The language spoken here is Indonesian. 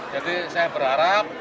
jadi saya berharap